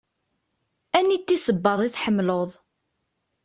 Aniti sebbaḍ i tḥemmleḍ?